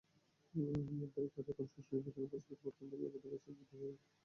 তাই তাঁরা এখন সুষ্ঠু নির্বাচনের পাশাপাশি ভোটকেন্দ্রে নিরাপত্তাব্যবস্থা জোরদার করার দাবি জানাচ্ছেন।